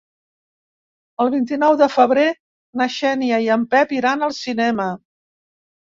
El vint-i-nou de febrer na Xènia i en Pep iran al cinema.